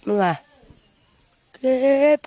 เก็บเก็บ